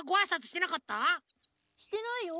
してないよ。